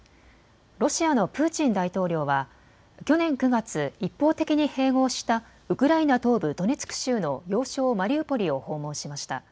ロシアのプーチン大統領は去年９月、一方的に併合したウクライナ東部ドネツク州の要衝マリウポリを訪問しました。